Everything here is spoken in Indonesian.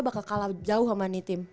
bakal kalah jauh sama nih tim